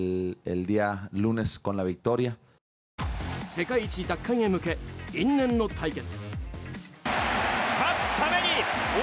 世界一奪還へ向け因縁の対決。